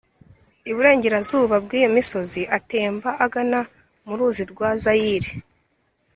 iburengerazuba bw'iyo misozi atemba agana mu ruzi rwa zayire,